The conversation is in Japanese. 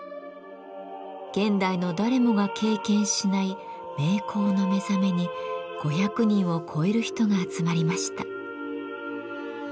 現代の誰もが経験しない名香の目覚めに５００人を超える人が集まりました。